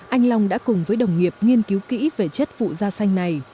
anh long đã cùng với đồng nghiệp nghiên cứu kỹ về chất phụ da xanh này